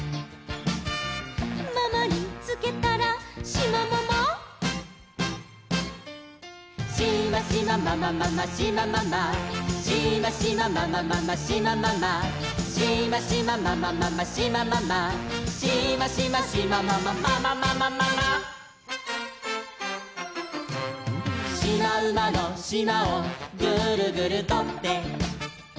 「ママにつけたらシマママ」「シマシマママママシマママ」「シマシマママママシマママ」「シマシマママママシマママ」「シマシマシマママママママママ」「しまうまのしまをグルグルとって」